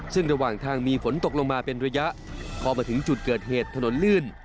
ซึ่งระหว่างทางมีฝนตกลงมาเป็นระยะพอมาถึงจุดเกิดเหตุถนนลื่น